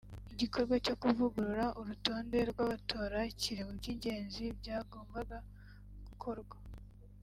Igikorwa cyo kuvugurura urutonde rw’abatora kiri mu by’ingenzi byagombaga gukorwa